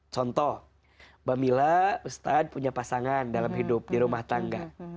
contoh mbak mila ustadz punya pasangan dalam hidup di rumah tangga